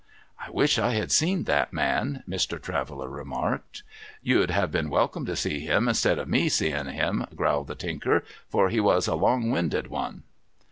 '' I wish I had seen that man,' Mr. Traveller remarked. ' You'd have been welcome to see him instead of me seeing him,' growled the Tinker ;' for he was a long winded one.'